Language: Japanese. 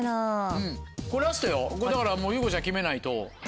これだから優子ちゃん決めないと。